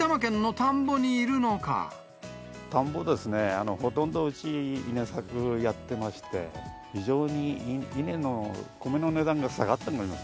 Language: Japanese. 田んぼですね、ほとんどうち、稲作やってまして、非常に稲の、米の値段が下がっています。